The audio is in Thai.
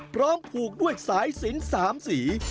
พร้อมผูกด้วยสายสิน๓สี